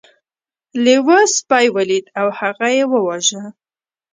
لیوه سپی ولید او هغه یې وواژه.